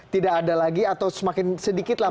tidak ada lagi atau semakin sedikit lah